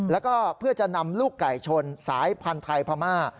แล้วก็เพื่อจะนำลูกไก่ชนสายพันธุ์ไทยพม่า